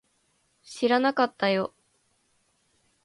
知らなかったよ